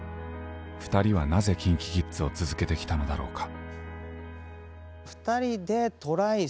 ふたりはなぜＫｉｎＫｉＫｉｄｓを続けてきたのだろうか？